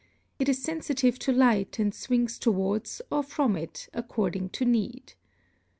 It is sensitive to light, and swings towards or from it, according to need.